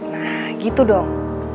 nah gitu dong